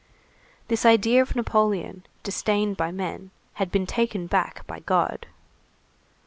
This idea of Napoleon, disdained by men, had been taken back by God.